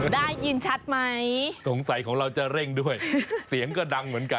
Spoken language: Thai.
ได้ยินชัดไหมสงสัยของเราจะเร่งด้วยเสียงก็ดังเหมือนกัน